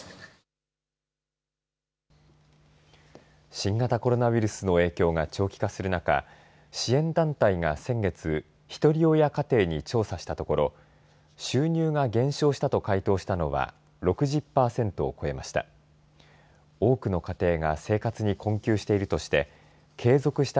新型コロナウイルスの影響が長期化する中支援団体が先月ひとり親家庭に調査したところ収入が減少したと回答したのは６０パーセントを超えました。